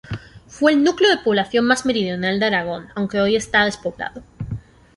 Fue el núcleo de población más meridional de Aragón, aunque hoy está despoblado.